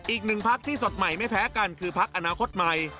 อีกหนึ่งพักที่สดใหม่ไม่แพ้กันคือพักอนาคตใหม่